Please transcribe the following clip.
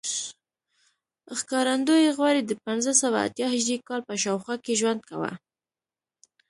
ښکارندوی غوري د پنځه سوه اتیا هجري کال په شاوخوا کې ژوند کاوه